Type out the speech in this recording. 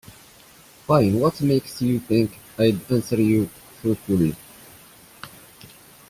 Fine, what makes you think I'd answer you truthfully?